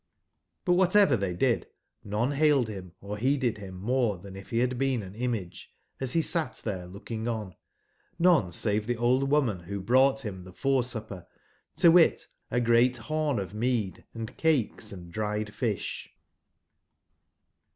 But whatevertheydid, none hail/ ed him, or heeded him more than if he had been an image, as he sat there looking on. JVone save the old woman who brought him the fore/supper, to wit a gr eat horn of mead, and cakes and dried fish.